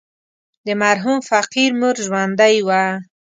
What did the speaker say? د مرحوم فقير مور ژوندۍ وه.